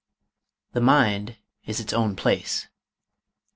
The mind is its own place."